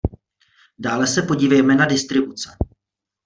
Dále se podívejme na distribuce.